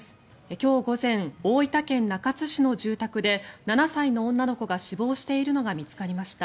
今日午前、大分県中津市の住宅で７歳の女の子が死亡しているのが見つかりました。